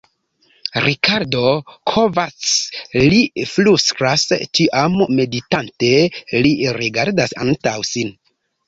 Rikardo Kovacs li flustras; tiam meditante li rigardas antaŭ sin.